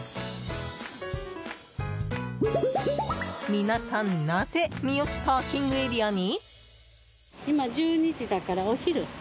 皆さん、なぜ三芳ＰＡに？